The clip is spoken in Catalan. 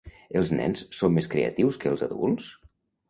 Els nens són més creatius que els adults?